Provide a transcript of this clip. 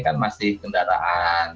kan masih kendaraan